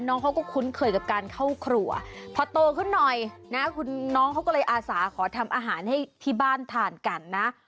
น้องเขาก็คุ้นเคยกับการเข้าครัวพอโตขึ้นหน่อยนะคุณน้องเขาก็เลยอาสาขอทำอาหารให้ที่บ้านทานกันนะ